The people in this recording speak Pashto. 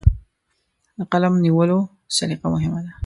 د قلم نیولو سلیقه مهمه ده.